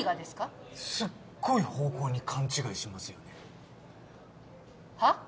すっごい方向に勘違いしますよねはあ？